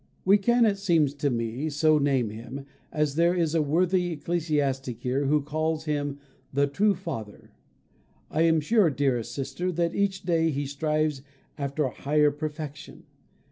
We can, it seems to me, so name him, as there is a worthy ecclesiastic here who calls him the true Father. I am sure, dearest sister, that each day he strives after a higher perfection.